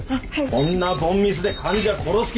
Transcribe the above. こんな凡ミスで患者殺す気かよ！